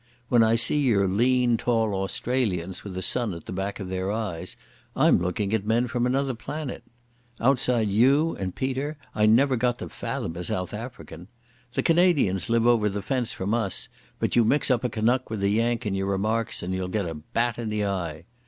When I see your lean, tall Australians with the sun at the back of their eyes, I'm looking at men from another planet. Outside you and Peter, I never got to fathom a South African. The Canadians live over the fence from us, but you mix up a Canuck with a Yank in your remarks and you'll get a bat in the eye....